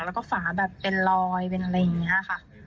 แล้วก็ฝาแบบเป็นรอยเป็นอะไรอย่างนี้ค่ะ